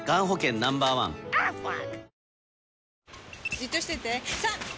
じっとしてて３！